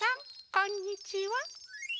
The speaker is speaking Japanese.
こんにちは！